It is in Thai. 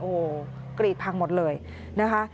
โอ้โหกรีดพังหมดเลยนะคะ